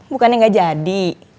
bukannya enggak jadi